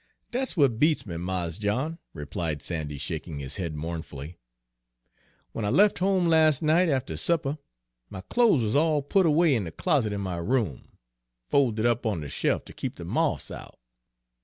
"Dat's w'at beats me, Mars John," replied Sandy, shaking his head mournfully. "Wen I lef home las' night after supper, my clo's wuz all put erway in de closet in my room, folded up on de she'f ter keep de moths out.